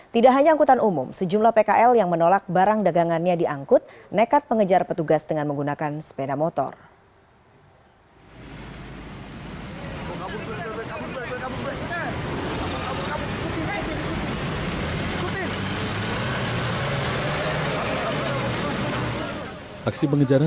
tidak hanya angkutan umum sejumlah pkl yang menolak barang dagangannya diangkut nekat pengejar petugas dengan menggunakan sepeda motor